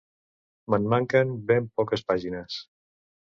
Me'n manquen ben poques pàgines